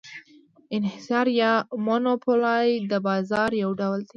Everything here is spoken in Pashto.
انحصار یا monopoly د بازار یو ډول دی.